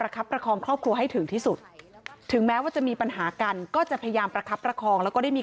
คับประคองครอบครัวให้ถึงที่สุดถึงแม้ว่าจะมีปัญหากันก็จะพยายามประคับประคองแล้วก็ได้มี